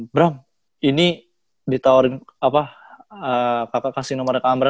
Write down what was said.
bram ini ditawarin apa kakak kasih nomornya ke amran